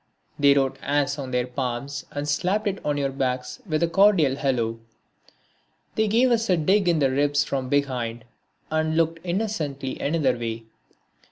They wrote ASS on their palms and slapped it on to our backs with a cordial "hello!" They gave us a dig in the ribs from behind and looked innocently another way.